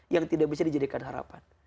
yang tidak bisa dijadikan harapan